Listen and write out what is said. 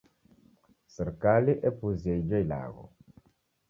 Serikali epuzia ijo ilagho.